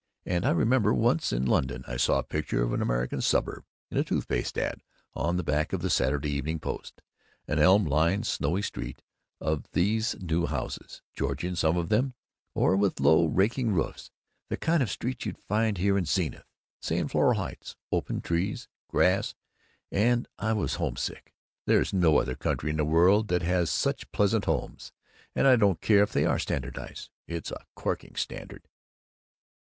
And I remember once in London I saw a picture of an American suburb, in a toothpaste ad on the back of the Saturday Evening Post an elm lined snowy street of these new houses, Georgian some of 'em, or with low raking roofs and The kind of street you'd find here in Zenith, say in Floral Heights. Open. Trees. Grass. And I was homesick! There's no other country in the world that has such pleasant houses. And I don't care if they are standardized. It's a corking standard!